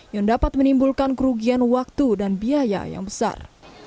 yang dapat menimbulkan kerugian waktu dan biaya yang besar